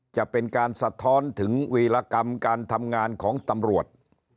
จะเป็นการสะท้อนถึงวีรกรรมการทำงานของตำรวจ